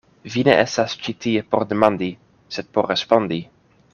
Vi ne estas ĉi tie por demandi sed por respondi.